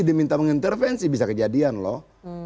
diminta mengintervensi bisa kejadian loh